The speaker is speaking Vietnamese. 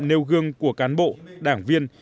nêu gương của cán bộ đảng viên